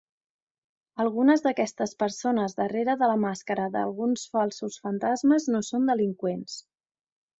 Algunes d'aquestes persones darrere de la màscara d'alguns falsos fantasmes no són delinqüents.